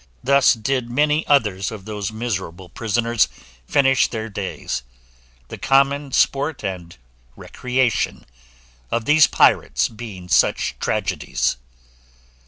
Thus did many others of those miserable prisoners finish their days, the common sport and recreation of these pirates being such tragedies.